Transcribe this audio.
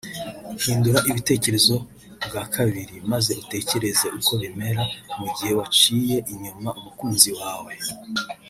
hindura ibitekerezo bwa kabili maze utekereze uko bimera mu gihe waciye inyuma umukunzi wawe